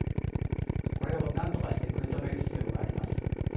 これをなんとかして食い止める必要があります。